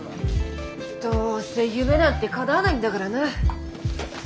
どうせ夢なんてかなわないんだからな。